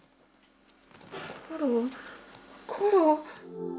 コロコロ。